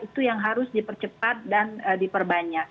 itu yang harus dipercepat dan diperbanyak